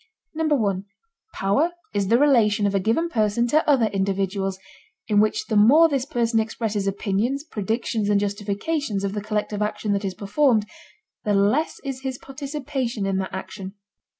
(1) Power is the relation of a given person to other individuals, in which the more this person expresses opinions, predictions, and justifications of the collective action that is performed, the less is his participation in that action.